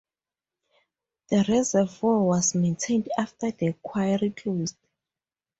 The reservoir was maintained after the quarry closed.